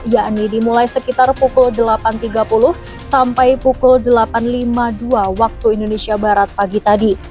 yakni dimulai sekitar pukul delapan tiga puluh sampai pukul delapan lima puluh dua waktu indonesia barat pagi tadi